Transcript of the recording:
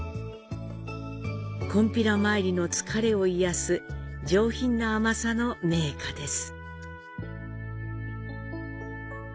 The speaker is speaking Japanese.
こんぴら参りの疲れを癒やす上品な甘さの名菓です。